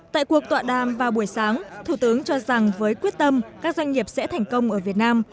tại cuộc tọa đàm vào buổi sáng thủ tướng cho rằng với quyết tâm các doanh nghiệp sẽ thành công ở việt nam